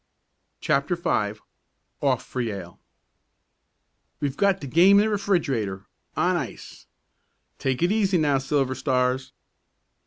CHAPTER V OFF FOR YALE "We've got the game in the refrigerator on ice." "Take it easy now, Silver Stars."